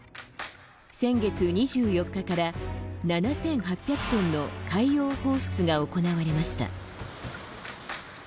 先月２４日から７８００トンの海洋放出が行われました。